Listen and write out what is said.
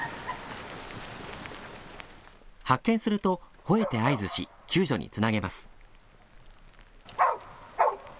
発見するとほえて合図し救助につなげます。